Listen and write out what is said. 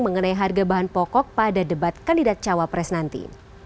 mengenai harga bahan pokok pada debat kandidat cawapres nanti